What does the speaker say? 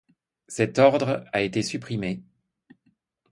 Cet ordre a été supprimé.